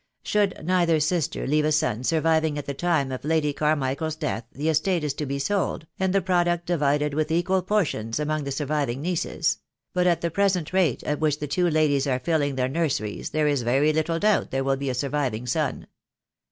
Should neither sister leave a son surviving at the time of Lady Ca: michael's death the estate is to be sold, and the product uvided in equal portions among the sur viving nieces; but at the present rate at which the two ladies are filling their nurseries there is very little doubt there will be a surviving son.